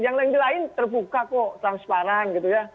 yang di lain terbuka kok transparan